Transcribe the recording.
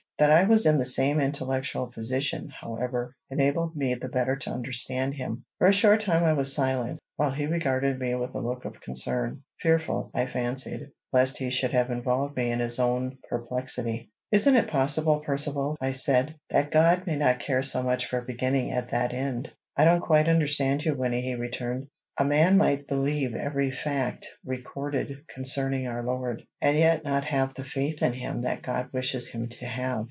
That I was in the same intellectual position, however, enabled me the better to understand him. For a short time I was silent, while he regarded me with a look of concern, fearful, I fancied, lest he should have involved me in his own perplexity. "Isn't it possible, Percivale," I said, "that God may not care so much for beginning at that end?" "I don't quite understand you, Wynnie," he returned. "A man might believe every fact recorded concerning our Lord, and yet not have the faith in him that God wishes him to have."